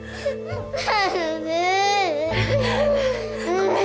ごめん。